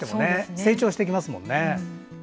成長していきますもんね。